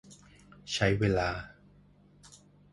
ใช้เวลา